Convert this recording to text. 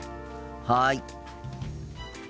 はい。